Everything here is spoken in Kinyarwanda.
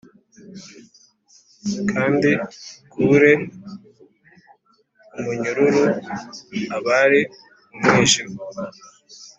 kandi ukure mu munyururu abari mu mwijima.